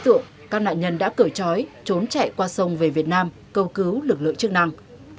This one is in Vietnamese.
trong lòng các đối tượng các nạn nhân đã cởi trói trốn chạy qua sông về việt nam cầu cứu lực lượng chức năng